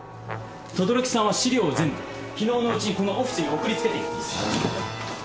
等々力さんは資料を全部昨日のうちにこのオフィスに送り付けています。